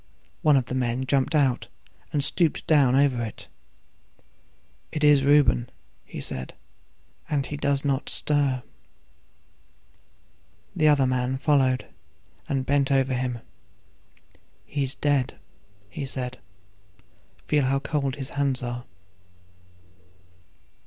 One of the men jumped out, and stooped down over it. "It is Reuben," he said, "and he does not stir!" The other man followed, and bent over him. "He's dead," he said; "feel how cold his hands are."